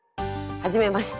はじめまして。